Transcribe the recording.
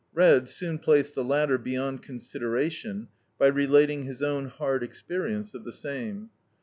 Red soon placed the latter beyond consid eration by relating his own hard experience of the same.